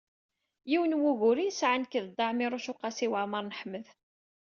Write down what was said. Yiwen wugur i nesɛa nekk d Dda Ɛmiiruc u Qasi Waɛmer n Ḥmed.